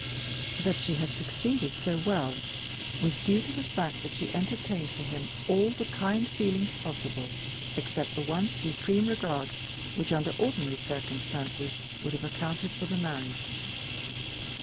That she succeeded so well was due to the fact that she entertained for him all the kind feelings possible except the one supreme regard which, under ordinary circumstances, would have accounted for the marriage.